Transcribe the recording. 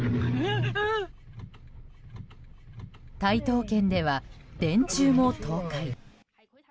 台東県では電柱も倒壊。